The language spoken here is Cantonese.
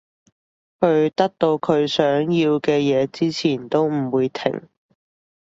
佢得到佢想要嘅嘢之前都唔會停